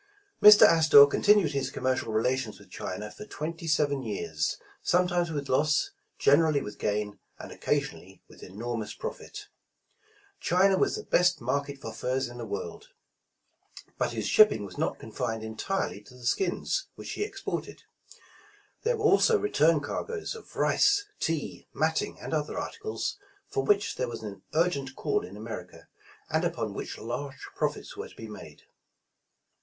Mr. Astor continued his commercial relations with China for twenty seven years, sometimes with loss, gen erally with gain, and occasionally with enormous profit. China was the best market for furs in the world, but his shipping was not confined entirely to the skins which he exported. There were also return cargoes of rice, tea, matting and other articles, for which there was an urgent call in America, and upon which large profits were to be made.